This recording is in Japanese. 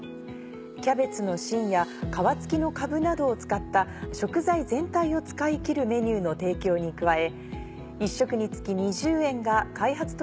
キャベツの芯や皮付きのかぶなどを使った食材全体を使い切るメニューの提供に加え。の対象メニューにもなっています。